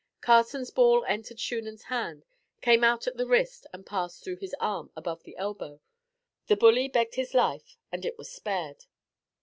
Carson's ball entered Shunan's hand, came out at the wrist, and passed through his arm above the elbow. The bully begged his life, and it was spared.